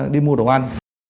đi mua đồ ăn